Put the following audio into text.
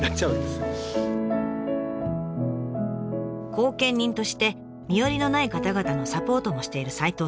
後見人として身寄りのない方々のサポートもしている齋藤さん。